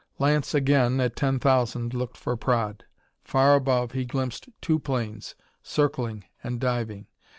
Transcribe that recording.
Lance, again at ten thousand, looked for Praed. Far above, he glimpsed two planes, circling and diving.